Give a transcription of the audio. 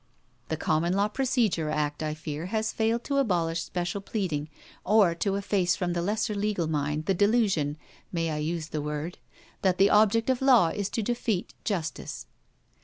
The Common Law Procedure Act, I fear, has failed to abolish special pleading, or to efface from the lesser legal mind the delusion may I use the word? that the object of Law is to defeat justice.